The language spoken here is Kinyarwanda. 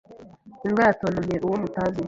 Imbwa yatontomye uwo mutazi.